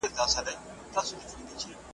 ایا موږ به له کړکۍ څخه ډبره چاڼ کړو؟